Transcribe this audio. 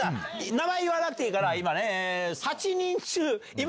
名前言わなくていいから。